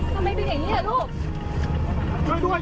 ทำไมไปไหนเนี่ยลูก